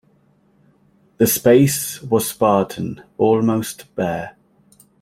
The space was spartan, almost bare.